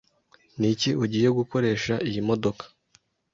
Niki ugiye gukoresha iyi modoka?